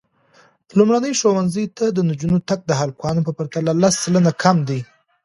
لومړني ښوونځي ته د نجونو تګ د هلکانو په پرتله لس سلنه کم دی.